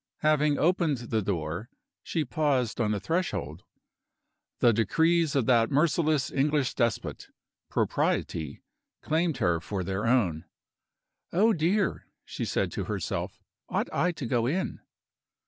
Having opened the door, she paused on the threshold. The decrees of that merciless English despot, Propriety, claimed her for their own. "Oh, dear!" she said to herself, "ought I to go in?"